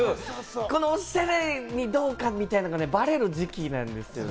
このオシャレにどうかみたいなのがバレる時期なんですよね。